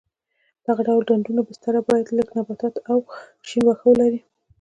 د دغه ډول ډنډونو بستره باید لږ نباتات او شین واښه ولري.